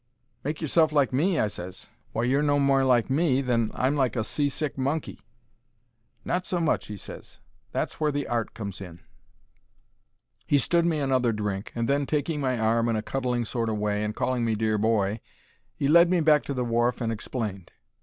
"Make yourself like me?" I ses. "Why, you're no more like me than I'm like a sea sick monkey." "Not so much," he ses. "That's where the art comes in." He stood me another drink, and then, taking my arm in a cuddling sort o' way, and calling me "Dear boy," 'e led me back to the wharf and explained.